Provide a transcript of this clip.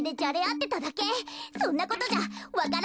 そんなことじゃわか蘭